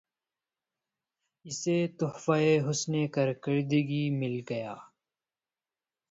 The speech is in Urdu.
اسے تحفہِ حسنِ کارکردگی مل گیا